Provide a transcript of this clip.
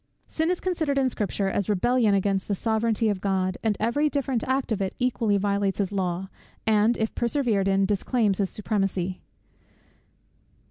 Sin is considered in Scripture as rebellion against the sovereignty of God, and every different act of it equally violates his law, and, if persevered in, disclaims his supremacy.